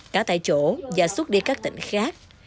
cả tại chỗ và xuất đi các tỉnh khác